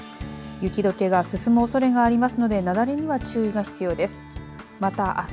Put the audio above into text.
雪どけが進むおそれがありますので雪崩には注意が必要です。